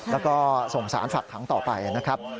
แล้วก็ส่งสารฝากขังต่อไปนะครับ